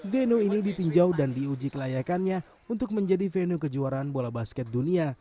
veno ini ditinjau dan diuji kelayakannya untuk menjadi venue kejuaraan bola basket dunia